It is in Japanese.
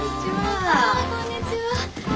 あこんにちは。